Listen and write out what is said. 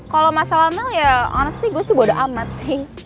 kalo masalah mel ya honestly gue sih bodo amat nih